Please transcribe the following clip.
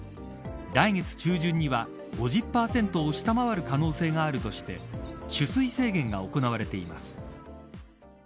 来月中旬には５０％を下回る可能性があるとして取水制限が行われています。